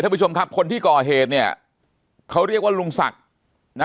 ผู้ชมครับคนที่ก่อเหตุเนี่ยเขาเรียกว่าลุงศักดิ์นะ